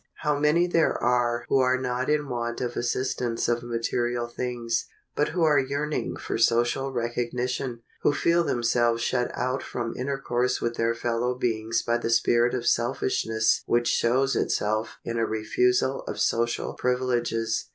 How many there are who are not in want of assistance of material things, but who are yearning for social recognition, who feel themselves shut out from intercourse with their fellow beings by the spirit of selfishness which shows itself in a refusal of social privileges!